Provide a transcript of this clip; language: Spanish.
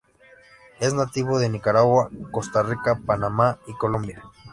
Es nativo de Nicaragua, Costa Rica, Panamá y Colombia.